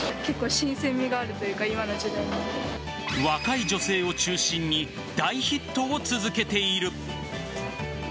若い女性を中心に大ヒットを続けている。